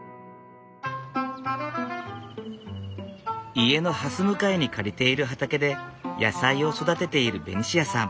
家のはす向かいに借りている畑で野菜を育てているベニシアさん。